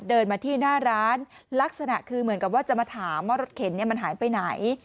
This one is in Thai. เดินมาที่หน้าร้านลักษณะคือเหมือนกับว่าจะมาถามว่ารถเข็นมันหายไปไหน